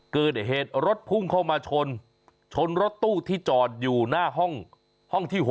เกิดเหตุรถพุ่งเข้ามาชนชนรถตู้ที่จอดอยู่หน้าห้องที่๖